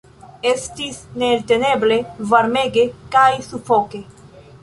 Estis neelteneble varmege kaj sufoke.